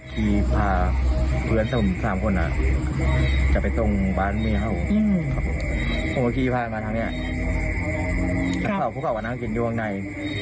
คู่กรณีก็อาจจะเข้าใจผิดหรือไม่พอใจ